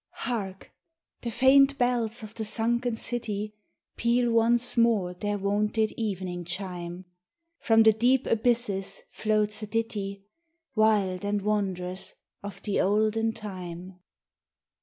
Hark ! the faint bells of the sunken city Peal once more their wonted evening chime ! From the deep abysses floats a ditty, Wild and wondrous, of the olden time.